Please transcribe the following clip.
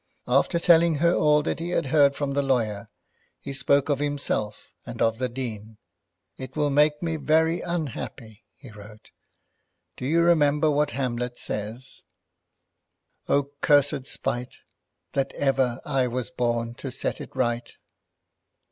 After telling her all that he had heard from the lawyer, he spoke of himself and of the Dean. "It will make me very unhappy," he wrote. "Do you remember what Hamlet says: 'O, cursed spite, That ever I was born to set it right!'